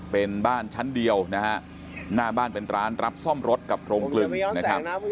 เป็นบ้านชั้นเดียวนะฮะหน้าบ้านเป็นร้านรับซ่อมรถกับโรงกลึงนะครับ